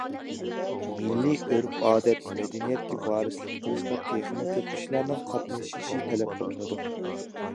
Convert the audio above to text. مىللىي ئۆرپ- ئادەت، مەدەنىيەتكە ۋارىسلىق قىلىشقا تېخىمۇ كۆپ كىشىلەرنىڭ قاتنىشىشى تەلەپ قىلىنىدۇ.